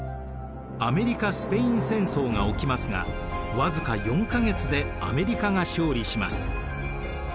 アメリカ・スペイン戦争が起きますが僅か４か月でアメリカが勝利します。